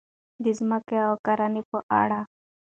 د ځمکې او کرنې په اړه: